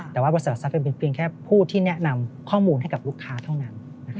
แต่ว่าบริษัททรัพย์เป็นเพียงแค่ผู้ที่แนะนำข้อมูลให้กับลูกค้าเท่านั้น